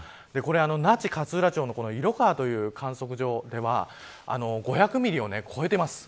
那智勝浦町の色川という観測所では５００ミリを超えています。